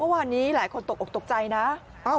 วันนี้หลายคนตกใจนะ